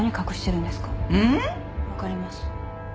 分かります。